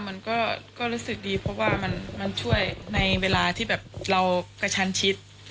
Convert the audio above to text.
มันก็รู้สึกดีเพราะว่ามันช่วยในเวลาที่แบบเรากระชันชิด